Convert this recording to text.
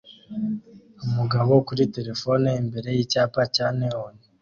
Umugabo kuri terefone imbere yicyapa cya neon